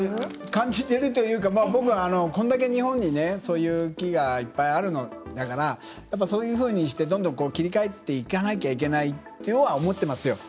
感じているというかこんだけ日本にそういった木があるんだからそういうふうにして切り替えていかなきゃいけないとは思ってますよ。